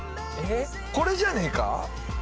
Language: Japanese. これじゃねえか。